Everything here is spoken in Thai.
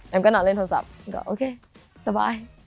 ก็นอนเล่นโทรศัพท์ก็โอเคสบาย